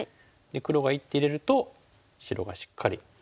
黒が一手入れると白がしっかり打って。